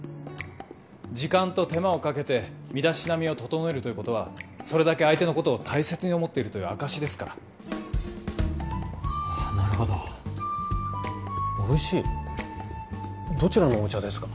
時間と手間をかけて身だしなみを整えるということはそれだけ相手のことを大切に思っているという証しですからなるほどおいしいどちらのお茶ですか？